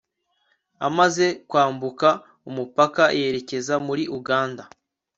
amaze kwambuka umupaka yerekeje muri Uganda